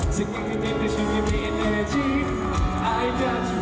วันอัยแรกหล่างให้ได้ความคิดถึงงั้น